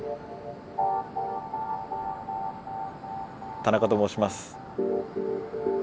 田中と申します。